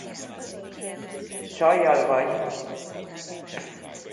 Csajjal vagy!